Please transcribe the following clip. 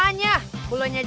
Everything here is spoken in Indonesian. yang penting ada niat